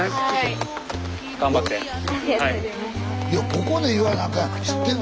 ここで言わなあかん。